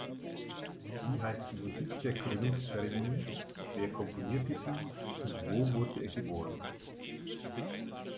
Wie heißt die Musik der Krönungzeremonie, wer komponierte sie und wo wurde er geboren?